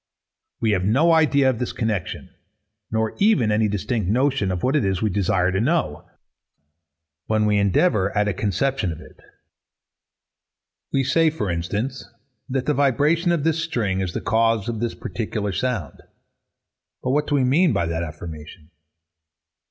We have no idea of this connexion, nor even any distinct notion what it is we desire to know, when we endeavour at a conception of it. We say, for instance, that the vibration of this string is the cause of this particular sound. But what do we mean by that affirmation?